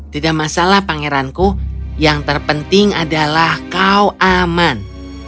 tidak masalah pangeranku yang terpenting adalah kau aman